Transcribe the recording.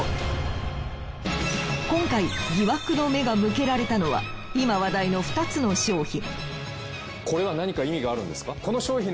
今回疑惑の目が向けられたのは今話題の２つの商品。